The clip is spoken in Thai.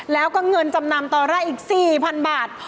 แล้วก็เงินจำนำตอนแรกอีก๔๐๐๐บาท